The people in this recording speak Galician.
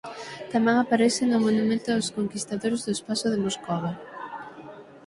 Tamén aparece no Monumento aos Conquistadores do Espazo de Moscova.